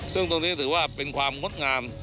ซึ่งตรงนี้ถือว่าเป็นความงดงาม